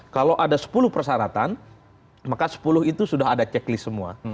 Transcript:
kalau ada sepuluh persyaratan maka sepuluh itu sudah ada checklist semua